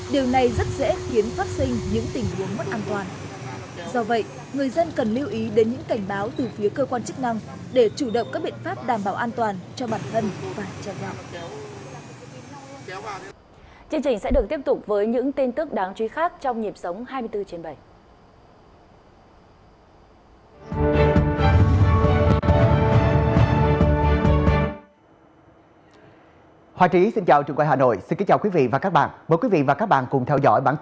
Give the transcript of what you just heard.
điều này rất dễ khiến phát sinh những tình huống mất an toàn